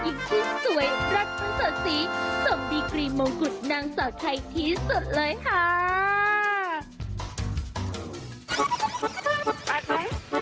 อิ๊งที่สวยรักพรุ่นสดซีสวบดีกรีมมงกุฎนางสาวใครที่สุดเลยค่าาาาาาาาาาาาาาาาาา